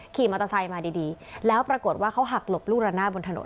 ขี่มอเตอร์ไซค์มาดีแล้วปรากฏว่าเขาหักหลบลูกระนาดบนถนน